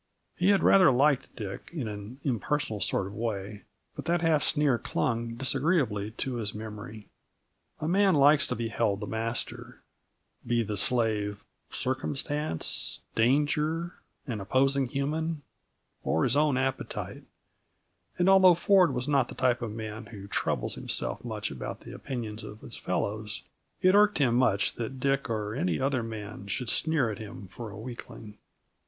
He had rather liked Dick, in an impersonal sort of way, but that half sneer clung disagreeably to his memory. A man likes to be held the master be the slave circumstance, danger, an opposing human, or his own appetite; and although Ford was not the type of man who troubles himself much about the opinions of his fellows, it irked him much that Dick or any other man should sneer at him for a weakling.